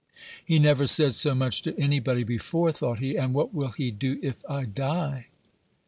"He never said so much to any body before," thought he, "and what will he do if I die?"